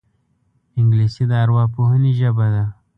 انګلیسي د ارواپوهنې ژبه ده